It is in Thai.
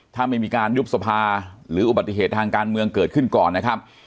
ถ้าไม่มีการยุบสภาหรืออุบัติเหตุทางการเมืองเกิดขึ้นก่อนนะครับ